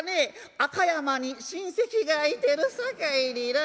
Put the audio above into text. あか山に親戚がいてるさかいにな」。